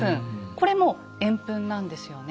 これも円墳なんですよね。